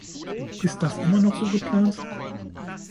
Ist das immer noch so geplant?